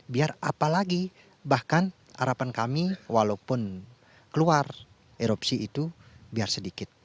biar apalagi bahkan harapan kami walaupun keluar erupsi itu biar sedikit